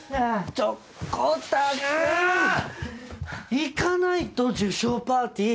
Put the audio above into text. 行かないと受賞パーティー。